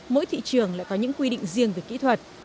mỗi thị trường lại có những quy định riêng về kỹ thuật